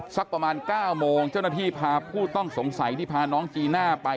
สักประมาณ๙โมงเจ้าหน้าที่พาผู้ต้องสงสัยที่พาน้องจีน่าไป